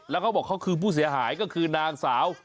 แล้วเขาบอกเขาคือผู้เสียหายก็คือนางสาว